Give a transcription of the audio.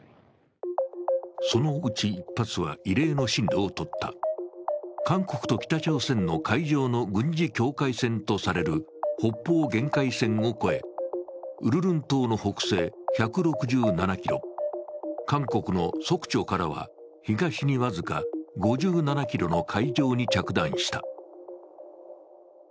そのうち１発は異例の進路をとった韓国と北朝鮮の海上の軍事境界線とされる北方限界線を越え、ウルルン島の北西１６７ｋｍ、韓国のソクチョからは、東に僅か５７ｋｍの海上に着弾した。